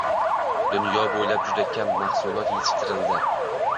– dunyo bo‘ylab juda kam mahsulot yetishtirildi.